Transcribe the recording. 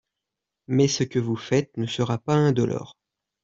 Mais ce que vous faites ne sera pas indolore.